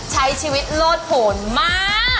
ใช้ชีวิตโลดผลมาก